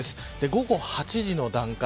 午後８時の段階。